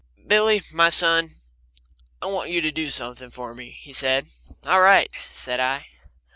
"Billy, my son, I want you to do something for me," he said. "All right," said I.